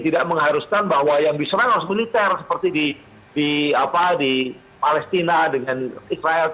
tidak mengharuskan bahwa yang diserang harus militer seperti di palestina dengan israel